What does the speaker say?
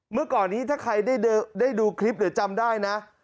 เมื่อก่อนนี้ถ้าใครได้ดูคลิปหรือจำได้นะ